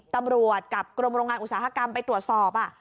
ตำรวจกับกรมโรงงานอุตสาหกรรมไปตรวจสอบ